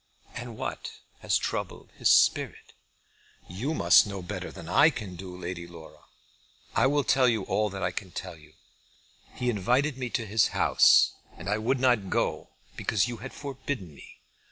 "And what has troubled his spirit?" "You must know that better than I can do, Lady Laura. I will tell you all that I can tell you. He invited me to his house and I would not go, because you had forbidden me.